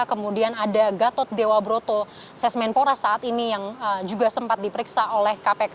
kemudian ada gatot dewa broto sesmenpora saat ini yang juga sempat diperiksa oleh kpk